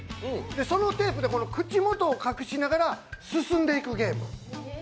そのテープで口元を隠しながら進んでいくゲーム。